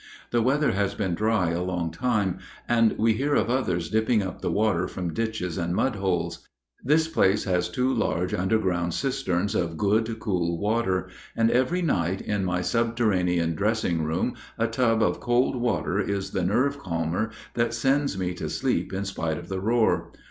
The weather has been dry a long time, and we hear of others dipping up the water from ditches and mud holes. This place has two large underground cisterns of good cool water, and every night in my subterranean dressing room a tub of cold water is the nerve calmer that sends me to sleep in spite of the roar.